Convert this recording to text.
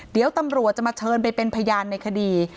เดี๋ยวตำรวจจะมาเชิญไปเป็นพยานในคดี